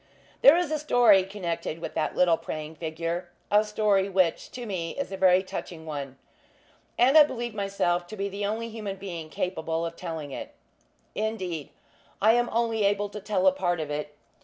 There is a story connected with that little praying figure; a story, which, to me, is a very touching one; and I believe myself to be the only human being capable of telling it. Indeed, I am only able to tell a part of it.